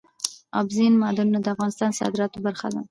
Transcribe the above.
اوبزین معدنونه د افغانستان د صادراتو برخه ده.